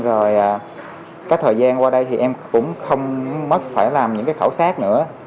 rồi các thời gian qua đây thì em cũng không mất phải làm những cái khẩu sát nữa